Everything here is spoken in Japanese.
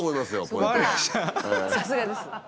さすがです。